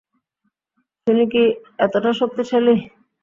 তিনি কি এতটা শক্তিশালী?